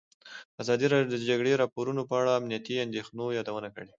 ازادي راډیو د د جګړې راپورونه په اړه د امنیتي اندېښنو یادونه کړې.